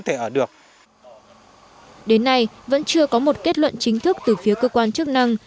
đến nay vẫn chưa có một kết luận chính thức từ phía cơ quan chức năng